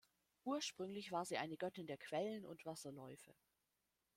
Ursprünglich war sie eine Göttin der Quellen und Wasserläufe.